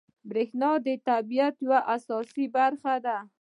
بریښنا د طبیعت یوه اساسي برخه ده